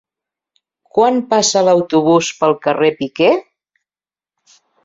Quan passa l'autobús pel carrer Piquer?